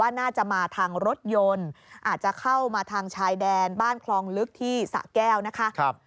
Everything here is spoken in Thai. น่าจะมาทางรถยนต์อาจจะเข้ามาทางชายแดนบ้านคลองลึกที่สะแก้วนะคะ